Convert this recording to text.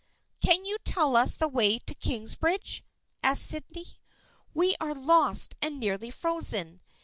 "Can you tell us the way to Kingsbridge?" asked Sydney. " We are lost and nearly frozen.